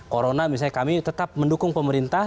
corona misalnya kami tetap mendukung pemerintah